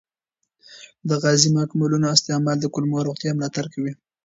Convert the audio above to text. د غذایي ماکملونو استعمال د کولمو روغتیا ملاتړ کوي.